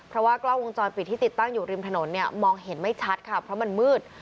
เพราะว่ากล้องวงจรปิดที่ติดตั้งอยู่ริมถนนเนี่ยมองเห็นไม่ชัดค่ะเพราะมันมืด